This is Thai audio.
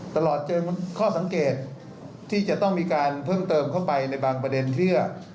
ตลอดจนข้อสังเกตที่จะต้องมีการเพิ่มเติมเข้าไปในบางประเด็นที่